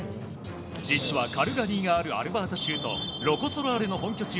実はカルガリーがあるアルバータ州とロコ・ソラーレの本拠地